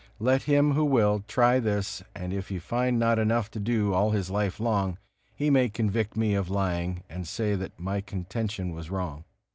Let him who will, try this and if he find not enough to do all his life long, he may convict me of lying, and say that my contention was wrong.